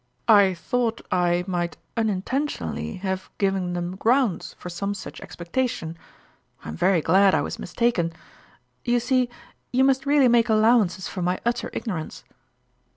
" I thought I might unintentionally have given them grounds for some such ex pectation. I'm very glad I was mistaken. You see, you must really make allowances for my utter ignorance."